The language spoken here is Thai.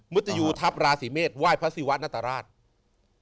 ุตยูทัพราศีเมษไหว้พระศิวะนัตรราช